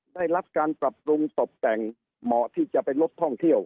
ได้รับการปรับปรุงตบแต่งเหมาะที่จะเป็นงบท่องเที่ยว